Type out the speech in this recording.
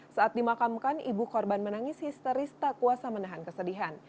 saat dimakamkan ibu korban menangis histeris tak kuasa menahan kesedihan